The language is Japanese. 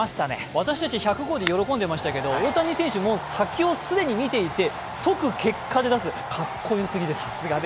私たち、１００号で喜んでいましたけど、大谷選手、もう先を既に見ていて、即結果で出す、かっこよすぎです。